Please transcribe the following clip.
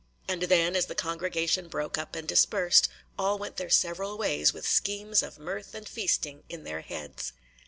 And then, as the congregation broke up and dispersed, all went their several ways with schemes of mirth and feasting in their heads.